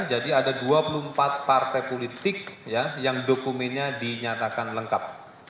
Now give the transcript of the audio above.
jadi ada dua puluh empat partai politik yang dokumennya dinyatakan lengkap